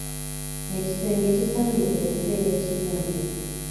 Ekisenge kisaanidde okubeera ekiyonjo.